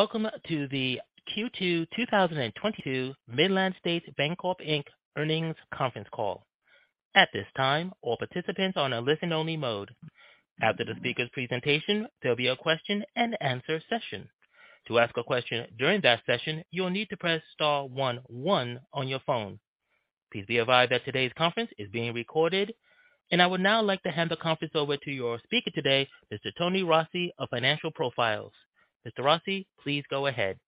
Welcome to the Q2 2022 Midland States Bancorp, Inc. Earnings Conference Call. At this time, all participants are on a listen-only mode. After the speaker's presentation, there'll be a question-and-answer session. To ask a question during that session, you will need to press star one one on your phone. Please be advised that today's conference is being recorded. I would now like to hand the conference over to your speaker today, Mr. Tony Rossi of Financial Profiles. Mr. Rossi, please go ahead.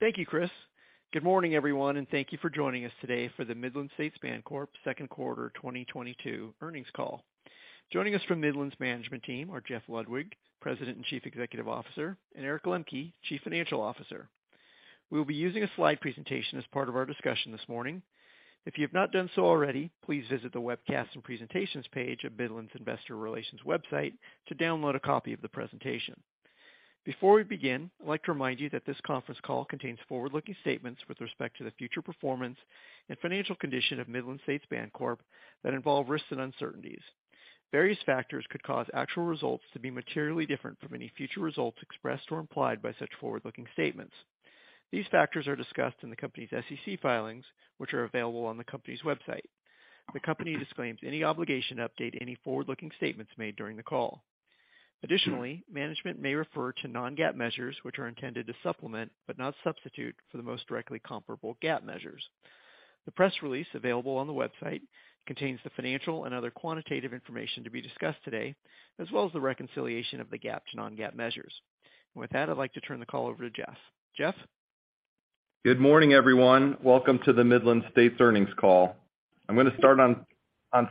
Thank you, Chris. Good morning, everyone, and thank you for joining us today for the Midland States Bancorp second quarter 2022 earnings call. Joining us from Midland's management team are Jeff Ludwig, President and Chief Executive Officer, and Eric Lemke, Chief Financial Officer. We'll be using a slide presentation as part of our discussion this morning. If you have not done so already, please visit the Webcasts and Presentations page of Midland's Investor Relations website to download a copy of the presentation. Before we begin, I'd like to remind you that this conference call contains forward-looking statements with respect to the future performance and financial condition of Midland States Bancorp that involve risks and uncertainties. Various factors could cause actual results to be materially different from any future results expressed or implied by such forward-looking statements. These factors are discussed in the company's SEC filings, which are available on the company's website. The company disclaims any obligation to update any forward-looking statements made during the call. Additionally, management may refer to non-GAAP measures, which are intended to supplement, but not substitute, for the most directly comparable GAAP measures. The press release available on the website contains the financial and other quantitative information to be discussed today, as well as the reconciliation of the GAAP to non-GAAP measures. With that, I'd like to turn the call over to Jeff. Jeff? Good morning, everyone. Welcome to the Midland States earnings call. I'm gonna start on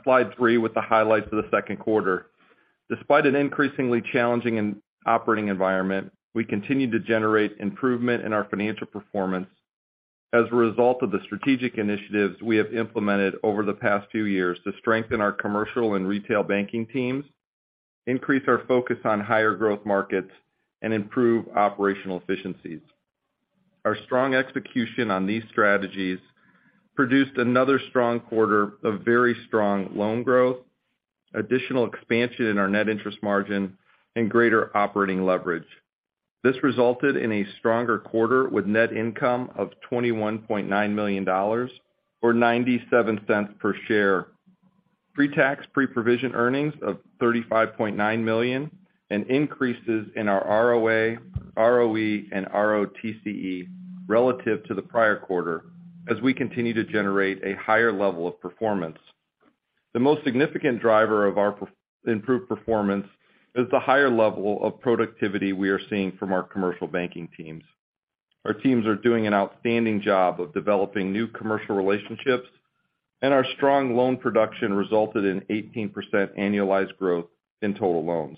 slide 3 with the highlights of the second quarter. Despite an increasingly challenging operating environment, we continue to generate improvement in our financial performance as a result of the strategic initiatives we have implemented over the past few years to strengthen our commercial and retail banking teams, increase our focus on higher growth markets, and improve operational efficiencies. Our strong execution on these strategies produced another strong quarter of very strong loan growth, additional expansion in our net interest margin, and greater operating leverage. This resulted in a stronger quarter with net income of $21.9 million or 97 cents per share. Pre-tax pre-provision earnings of $35.9 million, and increases in our ROA, ROE, and ROTCE relative to the prior quarter as we continue to generate a higher level of performance. The most significant driver of our improved performance is the higher level of productivity we are seeing from our commercial banking teams. Our teams are doing an outstanding job of developing new commercial relationships, and our strong loan production resulted in 18% annualized growth in total loans.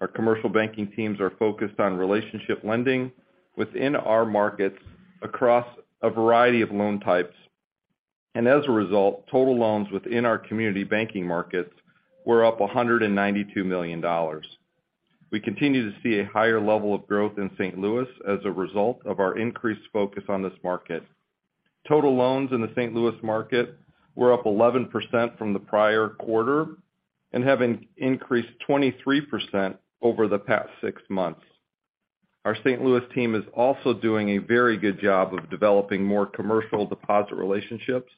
Our commercial banking teams are focused on relationship lending within our markets across a variety of loan types. As a result, total loans within our community banking markets were up $192 million. We continue to see a higher level of growth in St. Louis as a result of our increased focus on this market. Total loans in the St. Louis market were up 11% from the prior quarter and have increased 23% over the past six months. Our St. Louis team is also doing a very good job of developing more commercial deposit relationships,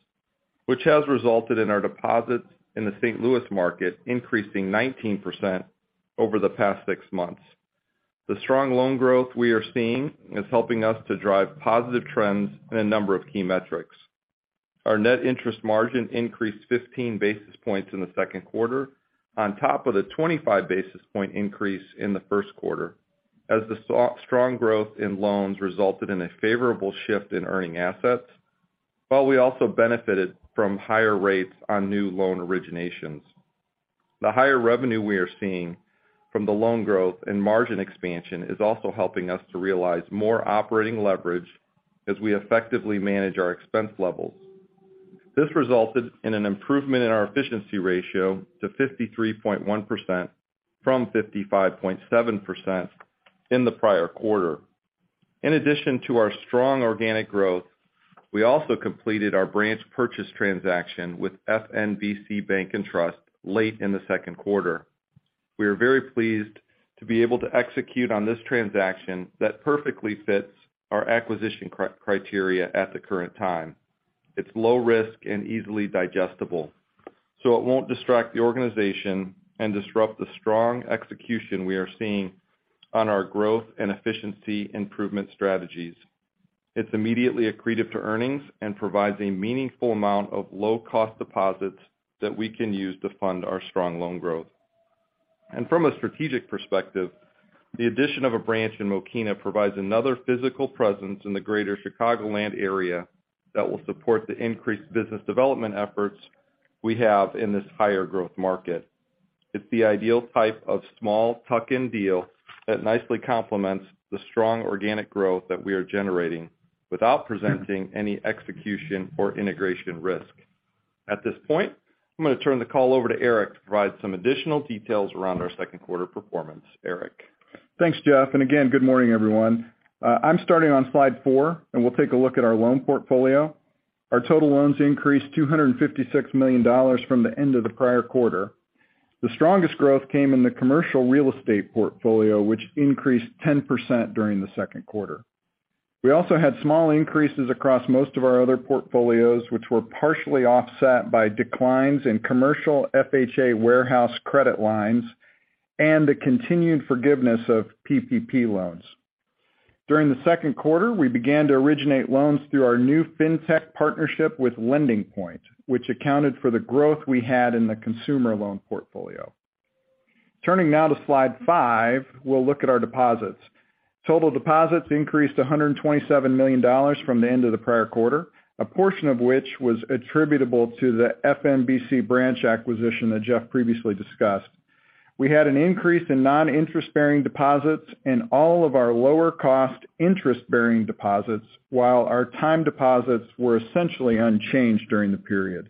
which has resulted in our deposits in the St. Louis market increasing 19% over the past six months. The strong loan growth we are seeing is helping us to drive positive trends in a number of key metrics. Our net interest margin increased 15 basis points in the second quarter on top of the 25 basis point increase in the first quarter, as the strong growth in loans resulted in a favorable shift in earning assets, while we also benefited from higher rates on new loan originations. The higher revenue we are seeing from the loan growth and margin expansion is also helping us to realize more operating leverage as we effectively manage our expense levels. This resulted in an improvement in our efficiency ratio to 53.1% from 55.7% in the prior quarter. In addition to our strong organic growth, we also completed our branch purchase transaction with FNBC Bank & Trust late in the second quarter. We are very pleased to be able to execute on this transaction that perfectly fits our acquisition criteria at the current time. It's low risk and easily digestible, so it won't distract the organization and disrupt the strong execution we are seeing on our growth and efficiency improvement strategies. It's immediately accretive to earnings and provides a meaningful amount of low-cost deposits that we can use to fund our strong loan growth. From a strategic perspective, the addition of a branch in Mokena provides another physical presence in the greater Chicagoland area that will support the increased business development efforts we have in this higher growth market. It's the ideal type of small tuck-in deal that nicely complements the strong organic growth that we are generating without presenting any execution or integration risk. At this point, I'm gonna turn the call over to Eric Lemke to provide some additional details around our second quarter performance. Eric Lemke? Thanks, Jeff. Again, good morning, everyone. I'm starting on slide 4, and we'll take a look at our loan portfolio. Our total loans increased $256 million from the end of the prior quarter. The strongest growth came in the commercial real estate portfolio, which increased 10% during the second quarter. We also had small increases across most of our other portfolios, which were partially offset by declines in commercial FHA warehouse credit lines and the continued forgiveness of PPP loans. During the second quarter, we began to originate loans through our new fintech partnership with LendingPoint, which accounted for the growth we had in the consumer loan portfolio. Turning now to slide 5, we'll look at our deposits. Total deposits increased $127 million from the end of the prior quarter, a portion of which was attributable to the FNBC branch acquisition that Jeff previously discussed. We had an increase in non-interest-bearing deposits and in all of our lower cost interest-bearing deposits, while our time deposits were essentially unchanged during the period.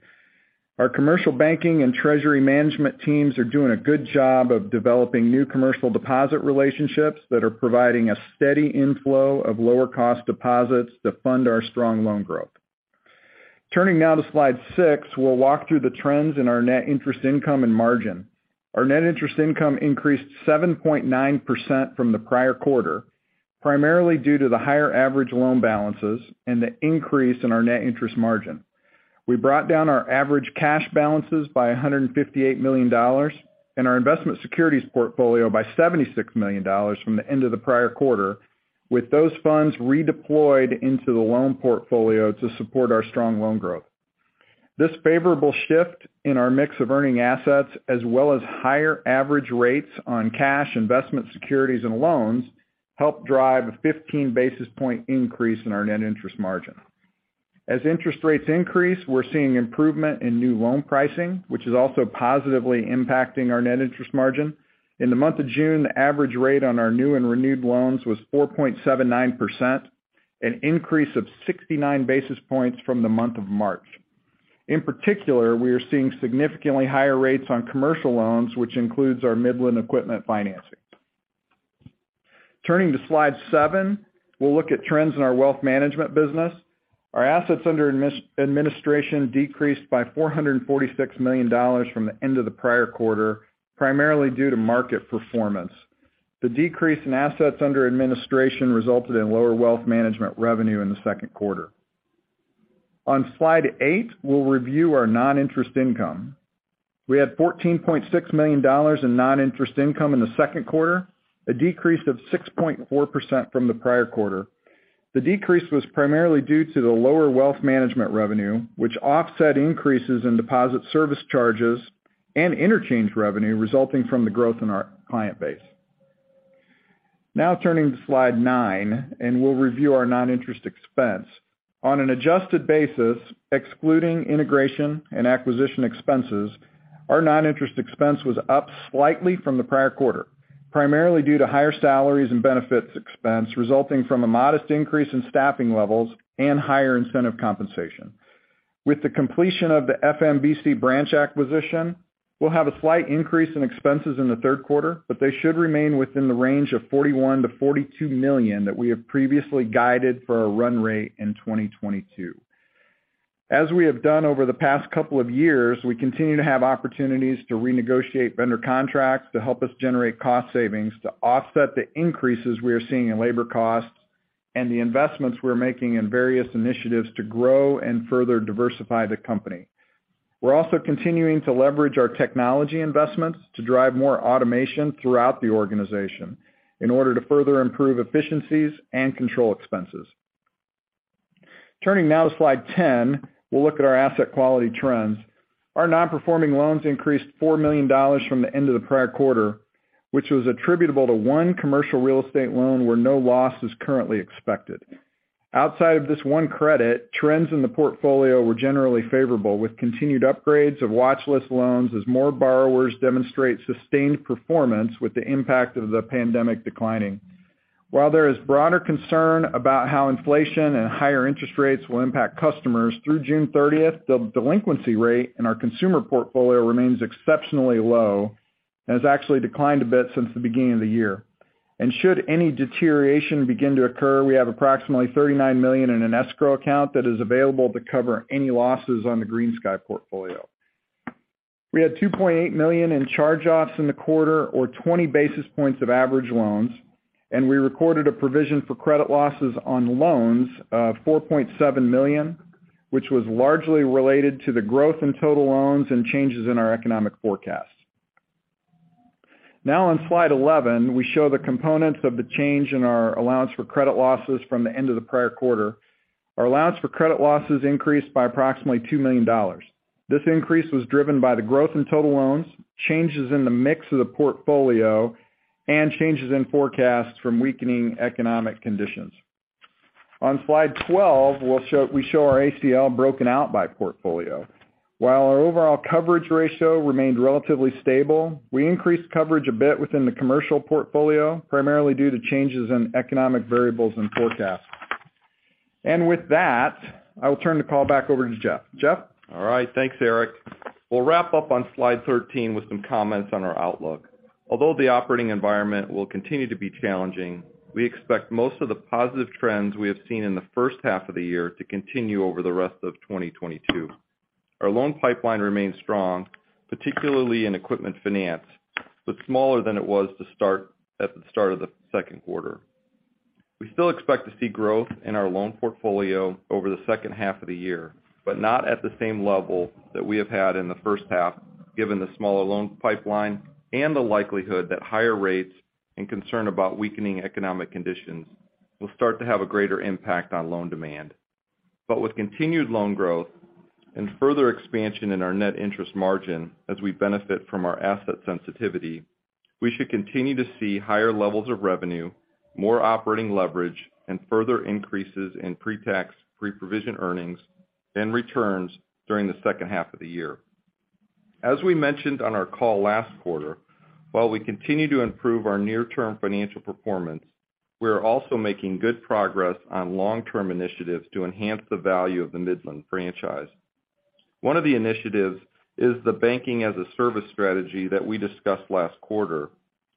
Our commercial banking and treasury management teams are doing a good job of developing new commercial deposit relationships that are providing a steady inflow of lower cost deposits to fund our strong loan growth. Turning now to slide 6, we'll walk through the trends in our net interest income and margin. Our net interest income increased 7.9% from the prior quarter, primarily due to the higher average loan balances and the increase in our net interest margin. We brought down our average cash balances by $158 million and our investment securities portfolio by $76 million from the end of the prior quarter, with those funds redeployed into the loan portfolio to support our strong loan growth. This favorable shift in our mix of earning assets as well as higher average rates on cash investment securities and loans helped drive a 15 basis point increase in our net interest margin. As interest rates increase, we're seeing improvement in new loan pricing, which is also positively impacting our net interest margin. In the month of June, the average rate on our new and renewed loans was 4.79%, an increase of 69 basis points from the month of March. In particular, we are seeing significantly higher rates on commercial loans, which includes our Midland Equipment Finance. Turning to slide seven, we'll look at trends in our wealth management business. Our assets under administration decreased by $446 million from the end of the prior quarter, primarily due to market performance. The decrease in assets under administration resulted in lower wealth management revenue in the second quarter. On slide 8, we'll review our non-interest income. We had $14.6 million in non-interest income in the second quarter, a decrease of 6.4% from the prior quarter. The decrease was primarily due to the lower wealth management revenue, which offset increases in deposit service charges and interchange revenue resulting from the growth in our client base. Now turning to slide 9, we'll review our non-interest expense. On an adjusted basis, excluding integration and acquisition expenses, our non-interest expense was up slightly from the prior quarter, primarily due to higher salaries and benefits expense resulting from a modest increase in staffing levels and higher incentive compensation. With the completion of the FNBC branch acquisition, we'll have a slight increase in expenses in the third quarter, but they should remain within the range of $41 million-$42 million that we have previously guided for our run rate in 2022. As we have done over the past couple of years, we continue to have opportunities to renegotiate vendor contracts to help us generate cost savings to offset the increases we are seeing in labor costs and the investments we're making in various initiatives to grow and further diversify the company. We're also continuing to leverage our technology investments to drive more automation throughout the organization in order to further improve efficiencies and control expenses. Turning now to slide 10, we'll look at our asset quality trends. Our non-performing loans increased $4 million from the end of the prior quarter, which was attributable to one commercial real estate loan where no loss is currently expected. Outside of this one credit, trends in the portfolio were generally favorable, with continued upgrades of watch list loans as more borrowers demonstrate sustained performance with the impact of the pandemic declining. While there is broader concern about how inflation and higher interest rates will impact customers, through June 30, the delinquency rate in our consumer portfolio remains exceptionally low and has actually declined a bit since the beginning of the year. Should any deterioration begin to occur, we have approximately $39 million in an escrow account that is available to cover any losses on the GreenSky portfolio. We had $2.8 million in charge-offs in the quarter, or 20 basis points of average loans, and we recorded a provision for credit losses on loans of $4.7 million, which was largely related to the growth in total loans and changes in our economic forecast. Now on slide 11, we show the components of the change in our allowance for credit losses from the end of the prior quarter. Our allowance for credit losses increased by approximately $2 million. This increase was driven by the growth in total loans, changes in the mix of the portfolio, and changes in forecasts from weakening economic conditions. On slide 12, we show our ACL broken out by portfolio. While our overall coverage ratio remained relatively stable, we increased coverage a bit within the commercial portfolio, primarily due to changes in economic variables and forecasts. With that, I will turn the call back over to Jeff. Jeff? All right. Thanks, Eric. We'll wrap up on slide 13 with some comments on our outlook. Although the operating environment will continue to be challenging, we expect most of the positive trends we have seen in the first half of the year to continue over the rest of 2022. Our loan pipeline remains strong, particularly in equipment finance, but smaller than it was at the start of the second quarter. We still expect to see growth in our loan portfolio over the second half of the year, but not at the same level that we have had in the first half, given the smaller loan pipeline and the likelihood that higher rates and concern about weakening economic conditions will start to have a greater impact on loan demand. With continued loan growth and further expansion in our net interest margin as we benefit from our asset sensitivity, we should continue to see higher levels of revenue, more operating leverage, and further increases in pre-tax pre-provision earnings and returns during the second half of the year. As we mentioned on our call last quarter, while we continue to improve our near-term financial performance, we are also making good progress on long-term initiatives to enhance the value of the Midland franchise. One of the initiatives is the Banking-as-a-Service strategy that we discussed last quarter,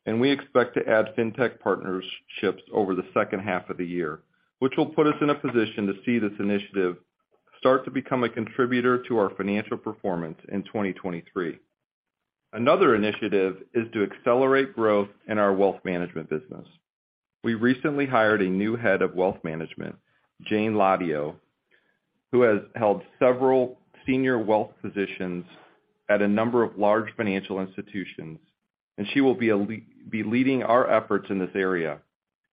and we expect to add fintech partnerships over the second half of the year, which will put us in a position to see this initiative start to become a contributor to our financial performance in 2023. Another initiative is to accelerate growth in our wealth management business. We recently hired a new head of wealth management, Jane Lato, who has held several senior wealth positions at a number of large financial institutions, and she will be leading our efforts in this area.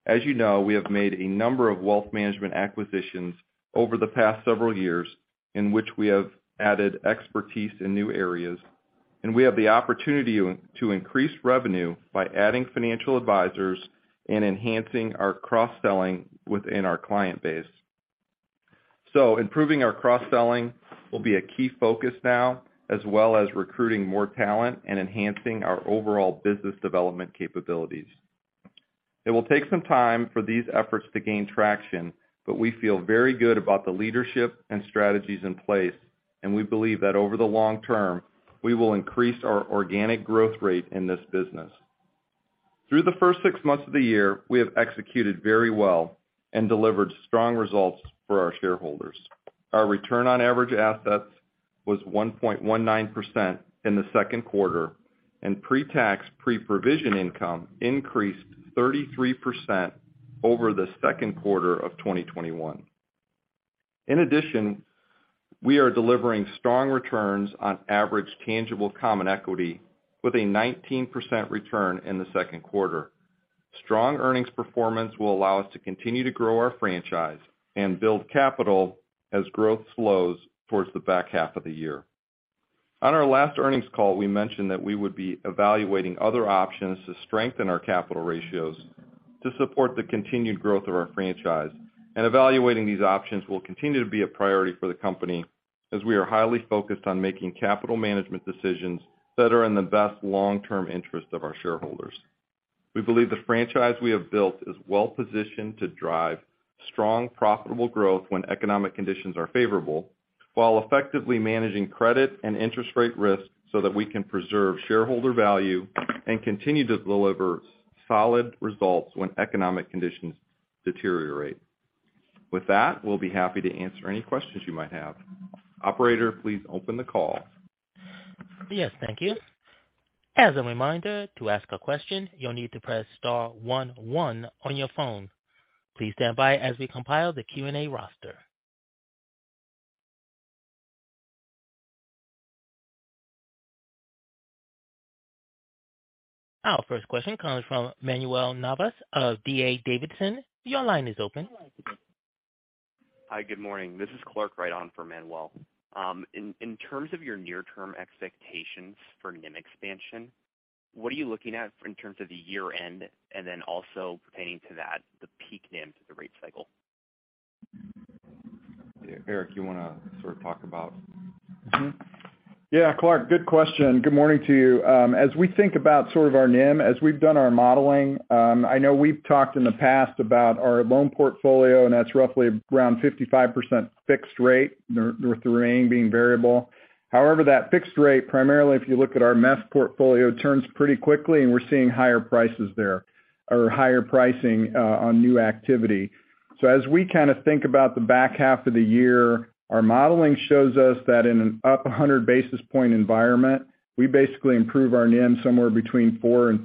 As you know, we have made a number of wealth management acquisitions over the past several years, in which we have added expertise in new areas, and we have the opportunity to increase revenue by adding financial advisors and enhancing our cross-selling within our client base. Improving our cross-selling will be a key focus now, as well as recruiting more talent and enhancing our overall business development capabilities. It will take some time for these efforts to gain traction, but we feel very good about the leadership and strategies in place, and we believe that over the long term, we will increase our organic growth rate in this business. Through the first six months of the year, we have executed very well and delivered strong results for our shareholders. Our return on average assets was 1.19% in the second quarter, and pre-tax, pre-provision income increased 33% over the second quarter of 2021. In addition, we are delivering strong returns on average tangible common equity with a 19% return in the second quarter. Strong earnings performance will allow us to continue to grow our franchise and build capital as growth slows towards the back half of the year. On our last earnings call, we mentioned that we would be evaluating other options to strengthen our capital ratios to support the continued growth of our franchise. Evaluating these options will continue to be a priority for the company as we are highly focused on making capital management decisions that are in the best long-term interest of our shareholders. We believe the franchise we have built is well-positioned to drive strong, profitable growth when economic conditions are favorable, while effectively managing credit and interest rate risk so that we can preserve shareholder value and continue to deliver solid results when economic conditions deteriorate. With that, we'll be happy to answer any questions you might have. Operator, please open the call. Yes. Thank you. As a reminder, to ask a question, you'll need to press star one one on your phone. Please stand by as we compile the Q&A roster. Our first question comes from Manuel Navas of D.A. Davidson. Your line is open. Hi. Good morning. This is Clark Wright on for Manuel. In terms of your near-term expectations for NIM expansion, what are you looking at in terms of the year-end, and then also pertaining to that, the peak NIM to the rate cycle? Eric, you wanna sort of talk about. Yeah, Clark, good question. Good morning to you. As we think about sort of our NIM, as we've done our modeling, I know we've talked in the past about our loan portfolio, and that's roughly around 55% fixed rate, the remaining being variable. However, that fixed rate, primarily if you look at our MEF portfolio, turns pretty quickly, and we're seeing higher prices there or higher pricing on new activity. As we kind of think about the back half of the year, our modeling shows us that in an up 100 basis point environment, we basically improve our NIM somewhere between 4 and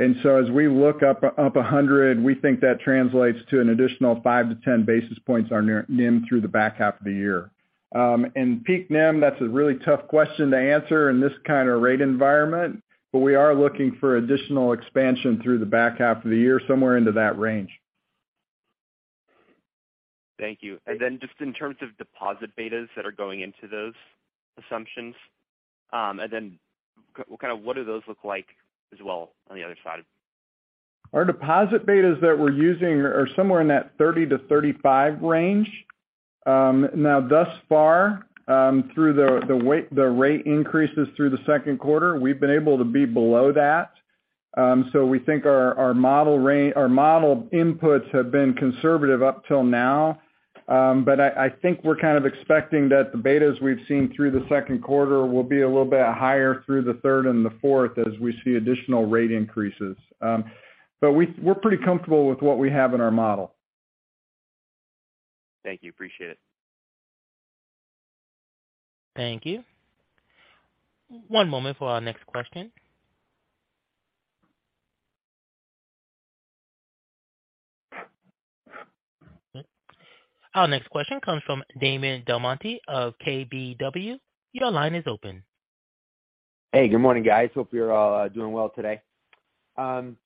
4.5%. As we look up a hundred, we think that translates to an additional 5-10 basis points on our near-term NIM through the back half of the year. Peak NIM, that's a really tough question to answer in this kind of rate environment. We are looking for additional expansion through the back half of the year, somewhere into that range. Thank you. Just in terms of deposit betas that are going into those assumptions, and kind of what do those look like as well on the other side? Our deposit betas that we're using are somewhere in that 30-35 range. Now thus far, through the rate increases through the second quarter, we've been able to be below that. We think our model inputs have been conservative up till now. I think we're kind of expecting that the betas we've seen through the second quarter will be a little bit higher through the third and the fourth as we see additional rate increases. We're pretty comfortable with what we have in our model. Thank you. Appreciate it. Thank you. One moment for our next question. Our next question comes from Damon DelMonte of KBW. Your line is open. Hey, good morning, guys. Hope you're all doing well today.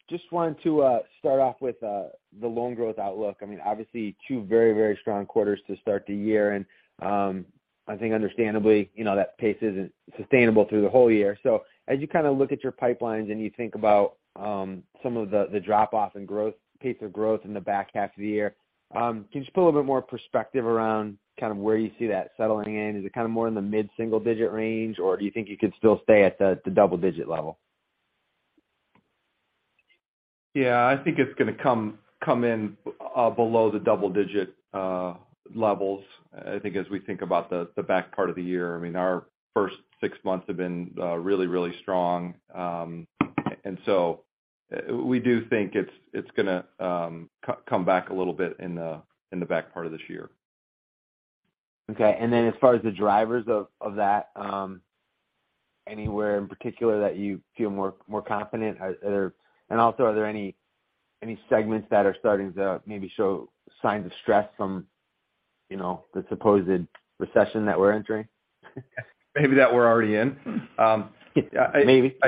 Just wanted to start off with the loan growth outlook. I mean, obviously two very, very strong quarters to start the year. I think understandably, you know, that pace isn't sustainable through the whole year. As you kind of look at your pipelines and you think about some of the drop off in growth pace of growth in the back half of the year, can you just put a little bit more perspective around kind of where you see that settling in? Is it kind of more in the mid-single digit range, or do you think you could still stay at the double digit level? Yeah, I think it's gonna come in below the double digit levels. I think as we think about the back part of the year. I mean, our first six months have been really strong. We do think it's gonna come back a little bit in the back part of this year. Okay. As far as the drivers of that, anywhere in particular that you feel more confident? Are there any segments that are starting to maybe show signs of stress from, you know, the supposed recession that we're entering? Maybe that we're already in. Maybe.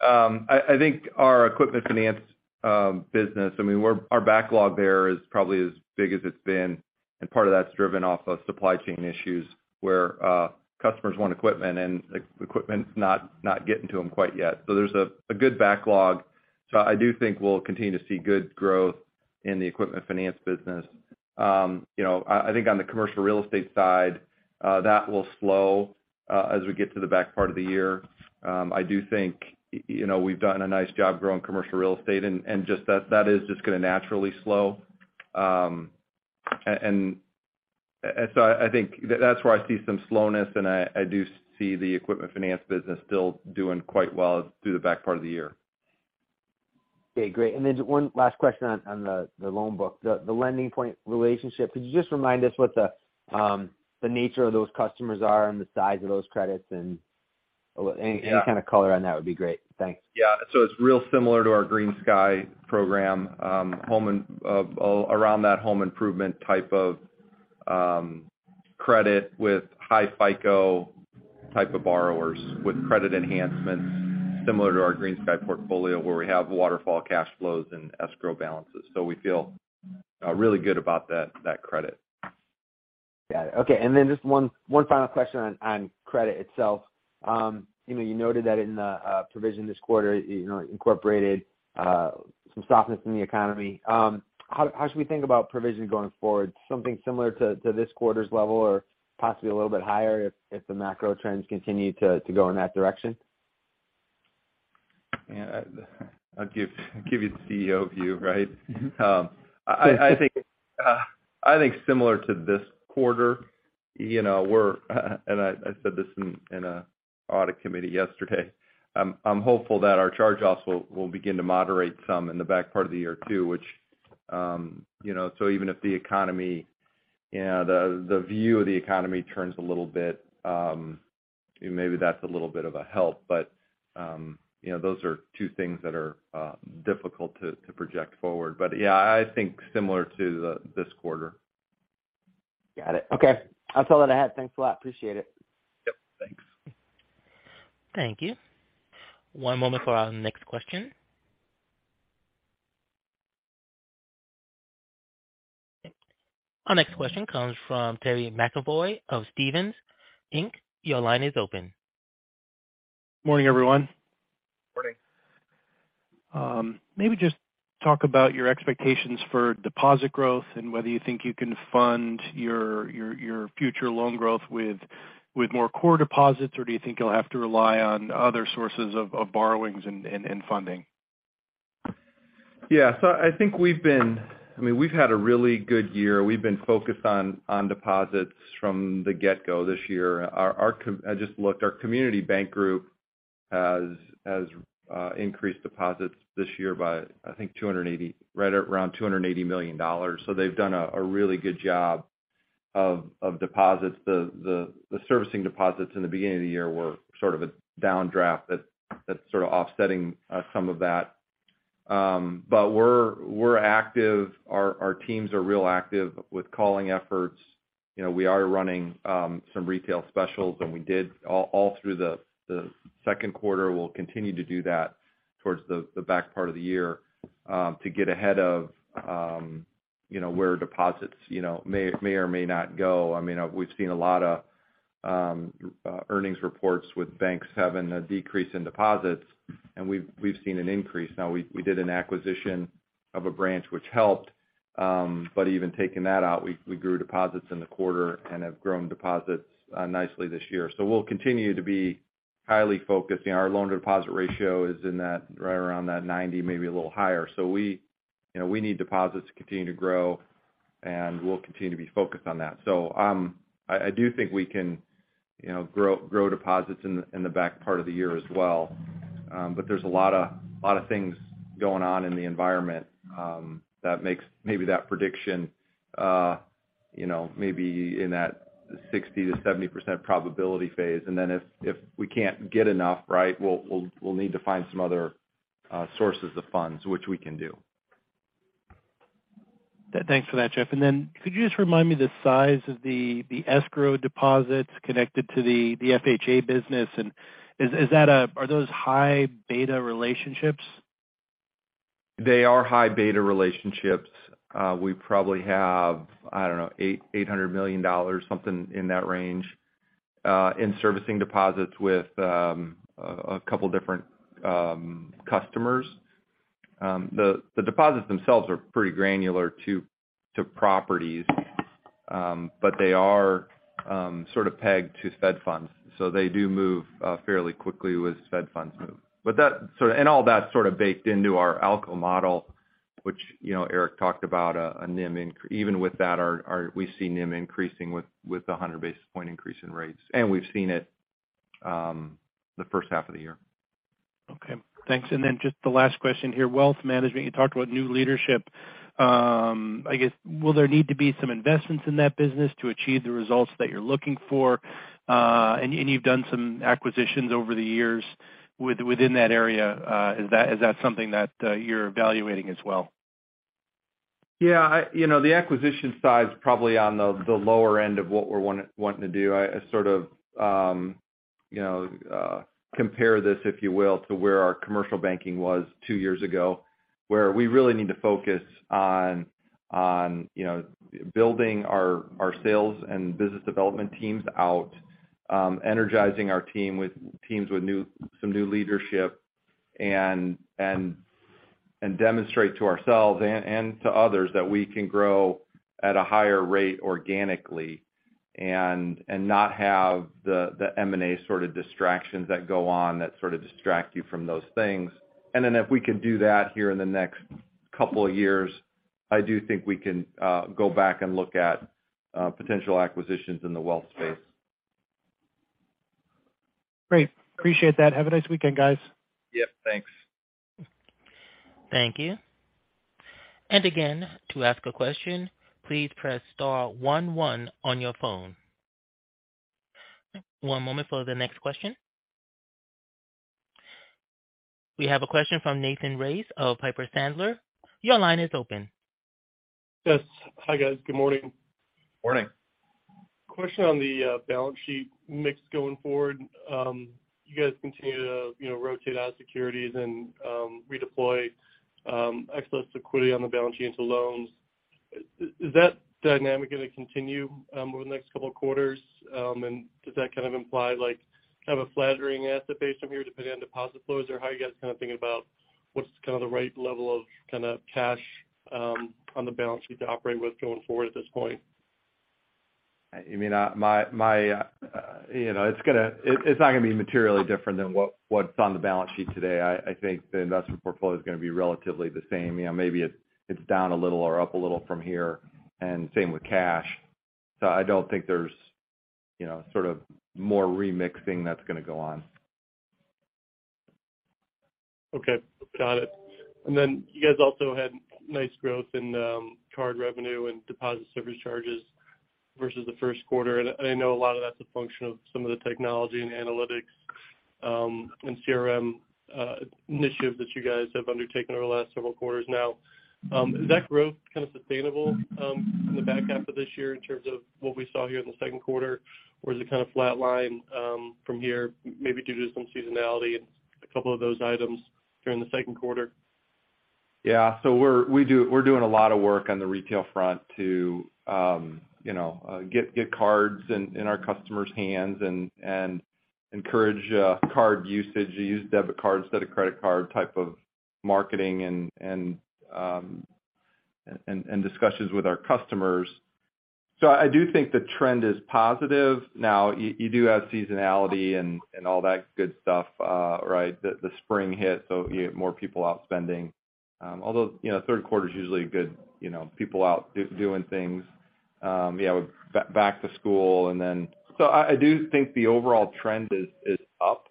I think our equipment finance business, I mean, our backlog there is probably as big as it's been, and part of that's driven off of supply chain issues where customers want equipment and equipment's not getting to them quite yet. There's a good backlog. I do think we'll continue to see good growth in the equipment finance business. You know, I think on the commercial real estate side, that will slow as we get to the back part of the year. I do think, you know, we've done a nice job growing commercial real estate and just that is just gonna naturally slow. I think that's where I see some slowness, and I do see the equipment finance business still doing quite well through the back part of the year. Okay, great. One last question on the loan book. The LendingPoint relationship, could you just remind us what the nature of those customers are and the size of those credits and Yeah. Any kind of color on that would be great. Thanks. Yeah. It's real similar to our GreenSky program, home improvement type of credit with high FICO type of borrowers with credit enhancements similar to our GreenSky portfolio, where we have waterfall cash flows and escrow balances. We feel really good about that credit. Got it. Okay. Just one final question on credit itself. You know, you noted that in the provision this quarter, you know, incorporated some softness in the economy. How should we think about provision going forward? Something similar to this quarter's level or possibly a little bit higher if the macro trends continue to go in that direction? Yeah. I'll give you the CEO view, right? Mm-hmm. I think similar to this quarter, you know, and I said this in an audit committee yesterday. I'm hopeful that our charge-offs will begin to moderate some in the back part of the year too, which, you know, so even if the economy, you know, the view of the economy turns a little bit, maybe that's a little bit of a help. You know, those are two things that are difficult to project forward. Yeah, I think similar to this quarter. Got it. Okay. That's all that I had. Thanks a lot. Appreciate it. Yep. Thanks. Thank you. One moment for our next question. Our next question comes from Terry McEvoy of Stephens Inc. Your line is open. Morning, everyone. Morning. Maybe just talk about your expectations for deposit growth and whether you think you can fund your future loan growth with more core deposits, or do you think you'll have to rely on other sources of borrowings and funding? Yeah. I think we've been—I mean, we've had a really good year. We've been focused on deposits from the get-go this year. Our community bank group has increased deposits this year by, I think, right around $280 million. They've done a really good job of deposits. The servicing deposits in the beginning of the year were sort of a downdraft that's sort of offsetting some of that. But we're active. Our teams are real active with calling efforts. You know, we are running some retail specials, and we did all through the second quarter. We'll continue to do that towards the back part of the year, to get ahead of, you know, where deposits, you know, may or may not go. I mean, we've seen a lot of earnings reports with banks having a decrease in deposits, and we've seen an increase. Now, we did an acquisition of a branch which helped, but even taking that out, we grew deposits in the quarter and have grown deposits nicely this year. We'll continue to be highly focused. You know, our loan deposit ratio is in that, right around that 90, maybe a little higher. We, you know, need deposits to continue to grow, and we'll continue to be focused on that. I do think we can, you know, grow deposits in the back part of the year as well. There's a lot of things going on in the environment that makes maybe that prediction you know maybe in that 60%-70% probability phase. If we can't get enough, right, we'll need to find some other sources of funds, which we can do. Thanks for that, Jeff. Could you just remind me the size of the escrow deposits connected to the FHA business? Are those high beta relationships? They are high beta relationships. We probably have, I don't know, $800 million, something in that range, in servicing deposits with a couple different customers. The deposits themselves are pretty granular to properties. But they are sort of pegged to Fed funds. They do move fairly quickly with Fed funds move. All that's sort of baked into our ALCO model, which, you know, Eric talked about a NIM increase even with that, we see NIM increasing with a 100 basis point increase in rates, and we've seen it in the first half of the year. Okay. Thanks. Just the last question here. Wealth management, you talked about new leadership. I guess, will there need to be some investments in that business to achieve the results that you're looking for? And you've done some acquisitions over the years within that area. Is that something that you're evaluating as well? Yeah. You know, the acquisition side is probably on the lower end of what we're wanting to do. I sort of, you know, compare this, if you will, to where our commercial banking was two years ago, where we really need to focus on you know, building our sales and business development teams out, energizing our team with some new leadership and demonstrate to ourselves and to others that we can grow at a higher rate organically and not have the M&A sort of distractions that go on that sort of distract you from those things. Then if we can do that here in the next couple of years, I do think we can go back and look at potential acquisitions in the wealth space. Great. Appreciate that. Have a nice weekend, guys. Yep, thanks. Thank you. Again, to ask a question, please press star one one on your phone. One moment for the next question. We have a question from Nathan Race of Piper Sandler. Your line is open. Yes. Hi, guys. Good morning. Morning. Question on the balance sheet mix going forward. You guys continue to, you know, rotate out securities and redeploy excess liquidity on the balance sheet into loans. Is that dynamic gonna continue over the next couple of quarters? And does that kind of imply like kind of a flattering asset base from here, depending on deposit flows? Or how are you guys kind of thinking about what's kind of the right level of kind of cash on the balance sheet to operate with going forward at this point? You mean, you know, it's not gonna be materially different than what's on the balance sheet today. I think the investment portfolio is gonna be relatively the same. You know, maybe it's down a little or up a little from here, and same with cash. I don't think there's, you know, sort of more remixing that's gonna go on. Okay. Got it. You guys also had nice growth in card revenue and deposit service charges versus the first quarter. I know a lot of that's a function of some of the technology and analytics and CRM initiatives that you guys have undertaken over the last several quarters now. Is that growth kind of sustainable in the back half of this year in terms of what we saw here in the second quarter? Or does it kind of flatline from here, maybe due to some seasonality and a couple of those items during the second quarter? Yeah. We're doing a lot of work on the retail front to, you know, get cards in our customers' hands and encourage card usage, use debit card instead of credit card type of marketing and discussions with our customers. I do think the trend is positive. Now, you do have seasonality and all that good stuff, right? The spring hit, so you get more people out spending. Although, you know, third quarter is usually good, you know, people out doing things, yeah, with back to school and then. I do think the overall trend is up.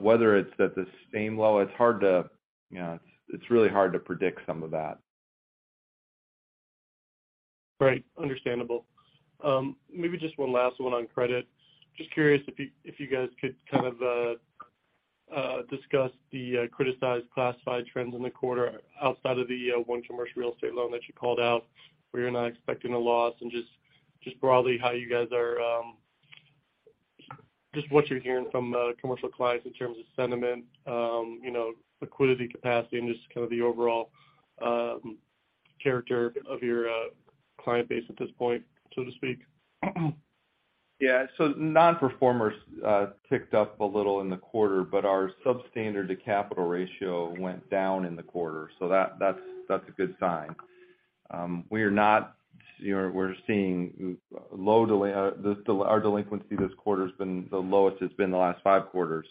Whether it's at the same level, it's hard to, you know, it's really hard to predict some of that. Right. Understandable. Maybe just one last one on credit. Just curious if you guys could kind of discuss the criticized classified trends in the quarter outside of the one commercial real estate loan that you called out, where you're not expecting a loss, and just broadly how you guys are just what you're hearing from commercial clients in terms of sentiment, you know, liquidity capacity and just kind of the overall character of your client base at this point, so to speak. Yeah. Non-performers ticked up a little in the quarter, but our substandard to capital ratio went down in the quarter. That's a good sign. You know, we're seeing low delinquency. Our delinquency this quarter has been the lowest it's been in the last five quarters.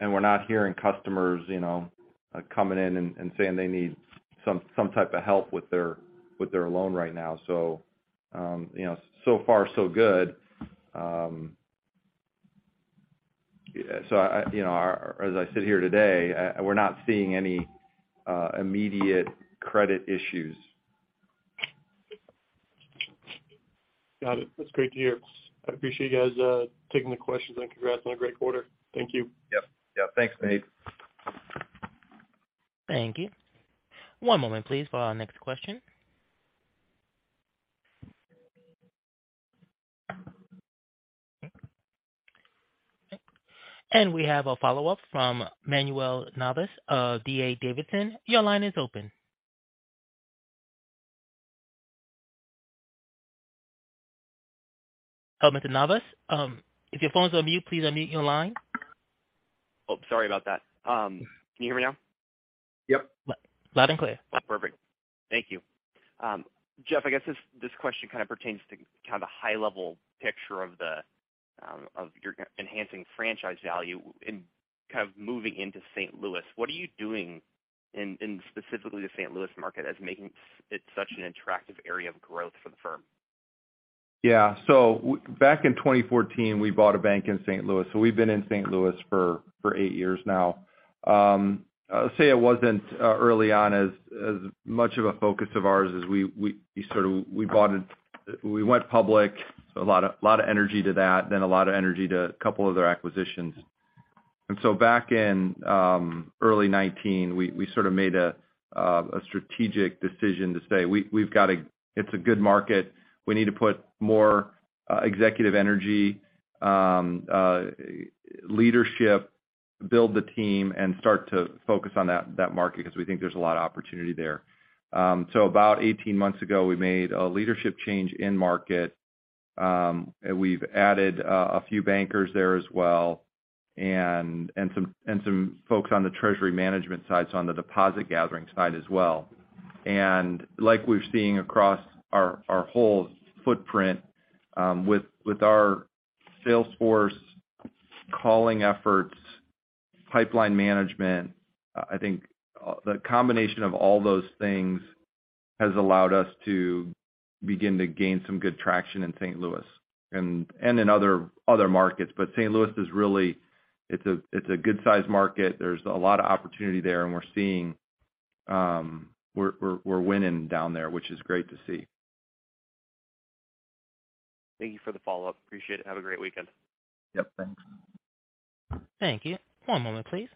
We're not hearing customers, you know, coming in and saying they need some type of help with their loan right now. You know, so far so good. I, you know, as I sit here today, we're not seeing any immediate credit issues. Got it. That's great to hear. I appreciate you guys taking the questions, and congrats on a great quarter. Thank you. Yep. Yeah, thanks, Nate. Thank you. One moment please for our next question. We have a follow-up from Manuel Navas of D.A. Davidson. Your line is open. Mr. Navas, if your phone is on mute, please unmute your line. Oh, sorry about that. Can you hear me now? Yep. Loud and clear. Perfect. Thank you. Jeff, I guess this question kind of pertains to kind of a high level picture of your enhancing franchise value in kind of moving into St. Louis. What are you doing in specifically the St. Louis market as making it such an attractive area of growth for the firm? Yeah. Back in 2014, we bought a bank in St. Louis. We've been in St. Louis for eight years now. I'll say it wasn't early on as much of a focus of ours as we bought it, we went public, so a lot of energy to that, then a lot of energy to a couple other acquisitions. Back in early 2019, we sort of made a strategic decision to say, we've got, it's a good market. We need to put more executive energy, leadership, build the team, and start to focus on that market 'cause we think there's a lot of opportunity there. So about 18 months ago, we made a leadership change in market, and we've added a few bankers there as well, and some folks on the treasury management side, so on the deposit gathering side as well. Like we're seeing across our whole footprint, with our sales force calling efforts, pipeline management, I think, the combination of all those things has allowed us to begin to gain some good traction in St. Louis and in other markets. St. Louis is really, it's a good size market. There's a lot of opportunity there, and we're seeing, we're winning down there, which is great to see. Thank you for the follow-up. Appreciate it. Have a great weekend. Yep, thanks. Thank you. One moment, please.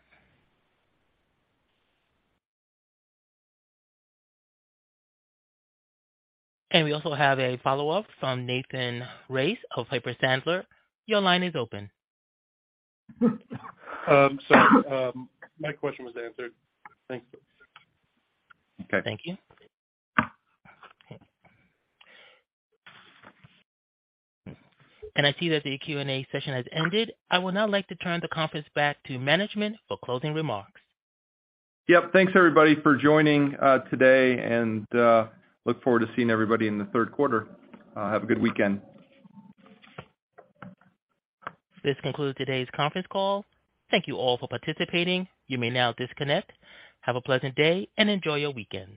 We also have a follow-up from Nathan Race of Piper Sandler. Your line is open. My question was answered. Thanks. Okay. Thank you. I see that the Q&A session has ended. I would now like to turn the conference back to management for closing remarks. Yep. Thanks everybody for joining today and look forward to seeing everybody in the third quarter. Have a good weekend. This concludes today's conference call. Thank you all for participating. You may now disconnect. Have a pleasant day and enjoy your weekend.